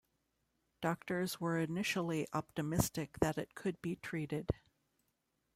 Doctors were initially optimistic that it could be treated.